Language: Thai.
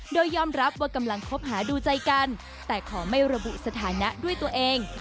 โดยยอมรับว่ากำลังคบหาดูใจกันแต่ขอไม่ระบุสถานะด้วยตัวเอง